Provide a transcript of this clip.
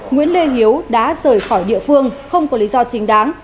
nguyễn lê hiếu đã rời khỏi địa phương không có lý do chính đáng